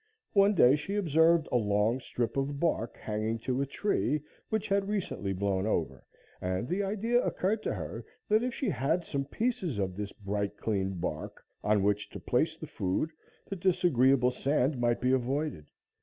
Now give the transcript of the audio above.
One day she observed a long strip of bark hanging to a tree which had recently blown over, and the idea occurred to her that if she had some pieces of this bright, clean bark on which to place the food, the disagreeable sand might be avoided.